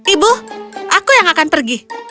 ibu aku yang akan pergi